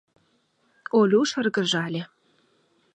— Олю шыргыжале.